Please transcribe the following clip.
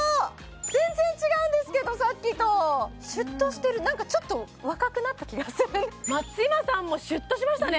全然違うんですけどさっきとシュッとしてるなんかちょっと若くなった気がする松嶋さんもシュッとしましたね